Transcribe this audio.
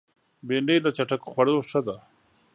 بېنډۍ له چټکو خوړو ښه ده